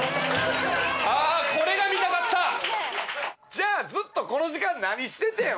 じゃあずっとこの時間何しててん？